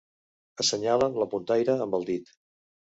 Assenyalen la puntaire amb el dit.